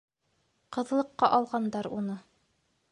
Ҡыҙлыҡҡа алғандар уны.